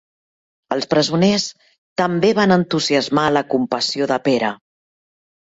Els presoners també van entusiasmar la compassió de Pere.